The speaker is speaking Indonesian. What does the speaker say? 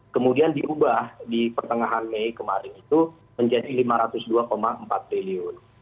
kemudian diubah di pertengahan mei kemarin itu menjadi rp lima ratus dua empat triliun